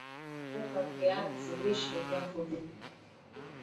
weka viazi lishe vyako vipoe